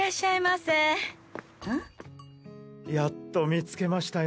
やっと見つけましたよ